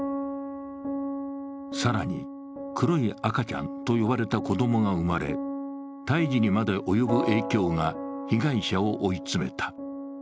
更に、黒い赤ちゃんと呼ばれた子供が生まれ、胎児にまで及ぶ影響が被害者を追い詰めた。